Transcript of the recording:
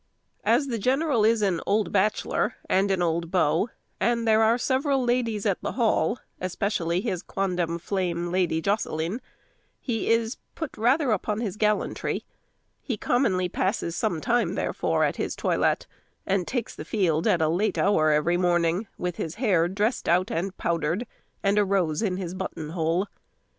As the general is an old bachelor and an old beau, and there are several ladies at the Hall, especially his quondam flame Lady Jocelyne, he is put rather upon his gallantry. He commonly passes some time, therefore, at his toilet, and takes the field at a late hour every morning, with his hair dressed out and powdered, and a rose in his button hole.